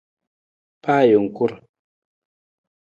Pa ajungkur!